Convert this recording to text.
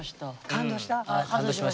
感動した？